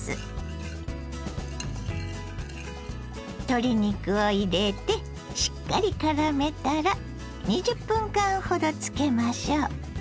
鶏肉を入れてしっかりからめたら２０分間ほどつけましょう。